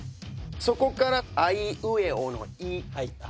そこから「あいうえお」の「い」。